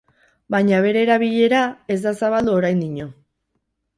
Baina bere erabilera ez da zabaldu oraindino.